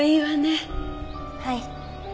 はい。